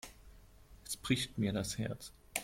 Es bricht mir das Herz.